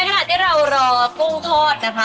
ขณะที่เรารอกุ้งทอดนะคะ